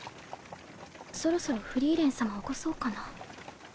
そろそろフリーレン様起こそうかな